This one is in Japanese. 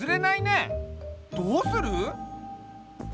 どうする？